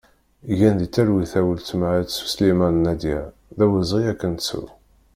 Gen di talwit a weltma At Usliman Nadya, d awezɣi ad kem-nettu!